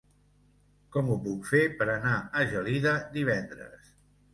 Com ho puc fer per anar a Gelida divendres?